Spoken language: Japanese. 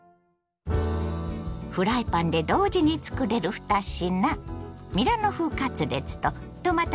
フライパンで同時につくれる２品。